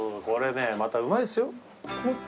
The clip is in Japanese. これねまたうまいですよ。